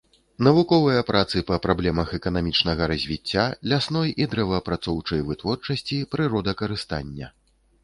Навуковыя працы па праблемах эканамічнага развіцця, лясной і дрэваапрацоўчай вытворчасці, прыродакарыстання.